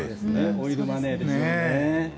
オイルマネーですよね。